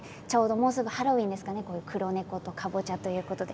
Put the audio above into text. もうすぐハロウィーンですから黒猫とかぼちゃということで。